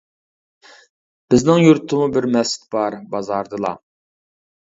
بىزنىڭ يۇرتتىمۇ بىر مەسچىت بار بازاردىلا.